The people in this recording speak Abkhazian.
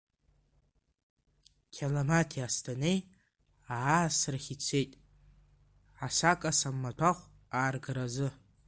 Қьаламаҭи Асҭанеи аасрахь ицеит, асакаса маҭәахә ааргаразы.